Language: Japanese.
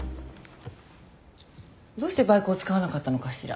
どうしてバイクを使わなかったのかしら？